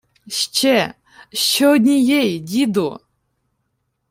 — Ще, ще однієї, діду!